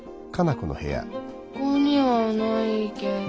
ここにはないけど。